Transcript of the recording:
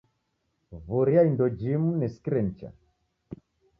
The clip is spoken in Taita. W'uria indo jimu nisikire nicha.